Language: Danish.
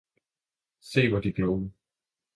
See, hvor de gloe